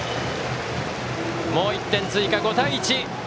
もう１点追加、５対１。